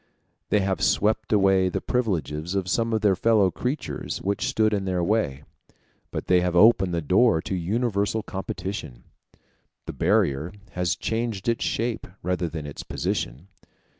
They have swept away the privileges of some of their fellow creatures which stood in their way, but they have opened the door to universal competition: the barrier has changed its shape rather than its position.